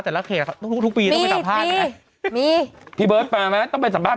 แต่ละเขตทุกปีต้องไปสัมภาษณ์